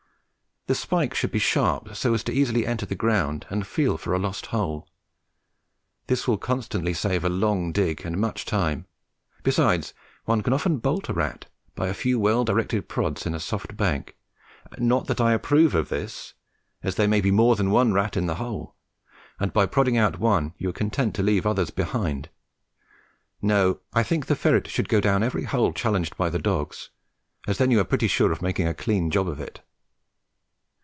The spike should be sharp, so as easily to enter the ground and feel for a lost hole. This will constantly save a long dig and much time; besides, one can often bolt a rat by a few well directed prods in a soft bank not that I approve of this, as there may be more than one rat in the hole, and by prodding out one you are contented to leave others behind. No, I think the ferret should go down every hole challenged by the dogs, as then you are pretty sure of making a clean job of it.